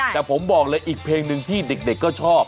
แต่ผมบอกเลยอีกเพลงหนึ่งที่เด็กก็ชอบ